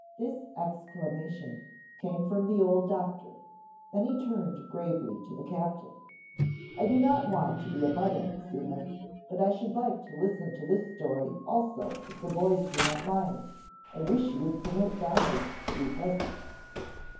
This exclamation came from the old doctor, then he turned gravely to the captain. "I do not want to be a butt in, Seaman, but I should like to listen to this story, also, if the boys do not mind, I wish you would permit Donald to be present."